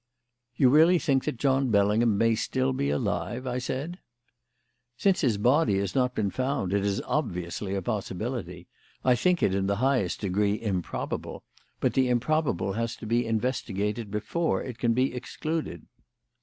"You really think that John Bellingham may still be alive?" said I. "Since his body has not been found, it is obviously a possibility. I think it in the highest degree improbable, but the improbable has to be investigated before it can be excluded."